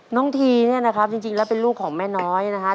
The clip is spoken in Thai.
น้องทีนี่นะครับจริงแล้วเป็นลูกของแม่น้อยนะครับ